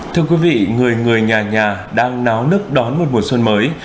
thưa quý vị người người nhà nhà đang náo nức đón một mùa xuân mới